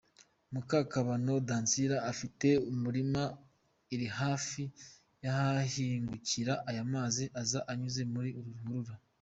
Mukakabano Dancilla, afite umurima iri hafi y’ahahingukira aya mazi aza anyuze muri ruhurura.